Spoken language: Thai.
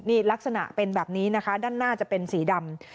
นี่ลักษณะเป็นแบบนี้นะคะด้านหน้าจะเป็นสีดำ